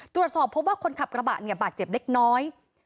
ตรวจสอบมีรอยว่าคนขับระบะเจ็บเล็กน้อย